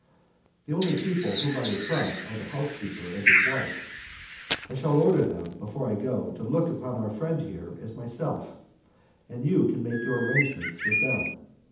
The only people whom I would trust are the housekeeper and his wife. I shall order them, before I go, to look upon our friend here as myself, and you can make your arrangements with them.